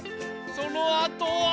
そのあとは。